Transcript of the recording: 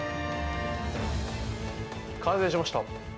完成しました。